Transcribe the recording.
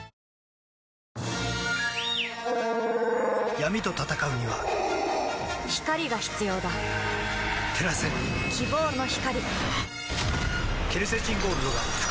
闇と闘うには光が必要だ照らせ希望の光